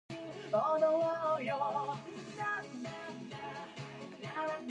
Pressure, toxicity and location affect the lethality.